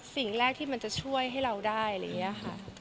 สิ่งแรกที่มันจะช่วยให้เราได้อะไรอย่างนี้ค่ะ